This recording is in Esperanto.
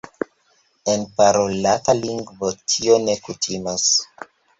En parolata lingvo tio ne kutimas.